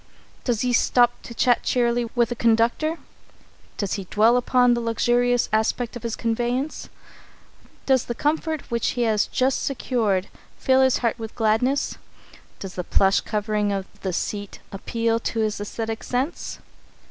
Does he stop to chat cheerily with the conductor? Does he dwell upon the luxurious aspect of his conveyance? Does the comfort which he has just secured fill his heart with gladness? Does the plush covering of the seat appeal to his æsthetic sense?